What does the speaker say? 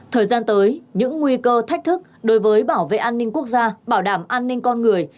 thời gian tới những nguy cơ thách thức đối với bảo vệ an ninh quốc gia bảo đảm an ninh con người